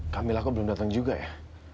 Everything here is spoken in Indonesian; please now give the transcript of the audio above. kamil aku belum datang juga ya